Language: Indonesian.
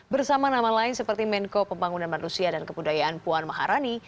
bersama nama lain seperti menko pembangunan manusia dan kebudayaan puan maharani